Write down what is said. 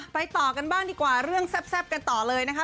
ต่อกันบ้างดีกว่าเรื่องแซ่บกันต่อเลยนะคะ